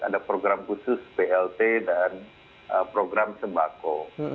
ada program khusus plt dan program sembako